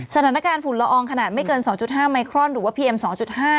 สถานการณ์ฝุ่นละอองขนาดไม่เกินสองจุดห้าไมโครนหรือว่าพีเอ็มสองจุดห้า